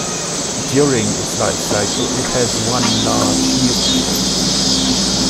During its life cycle it has one large nucleus.